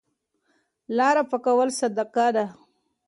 لاره پاکول صدقه ده.